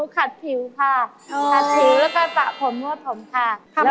ขัดผิวค่ะขัดผิวแล้วก็สระผมมั่วผมค่ะ